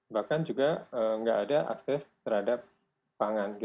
bahkan juga nggak ada akses terhadap pangan